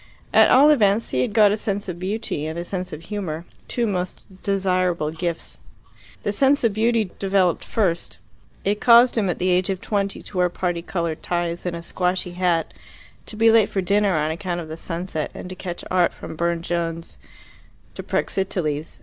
At all events he had got a sense of beauty and a sense of humour, two most desirable gifts. The sense of beauty developed first. It caused him at the age of twenty to wear parti coloured ties and a squashy hat, to be late for dinner on account of the sunset, and to catch art from Burne Jones to Praxiteles.